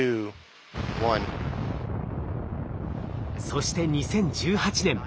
そして２０１８年